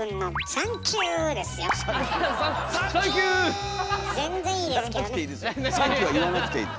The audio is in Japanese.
「サンキュー」は言わなくていい。